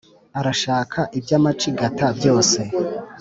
arashaka ibya macigata byose